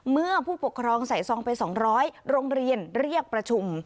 เมื่อผู้ปกครองใส่ซองไป๒๐๐โรงเรียนเรียกประชุม